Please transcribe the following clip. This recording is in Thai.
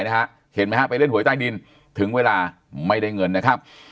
เห็นไหมฮะไปเล่นหวยใต้ดินถึงเวลาไม่ได้เงินนะครับ